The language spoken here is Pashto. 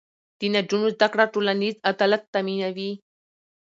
د نجونو زده کړه ټولنیز عدالت تامینوي.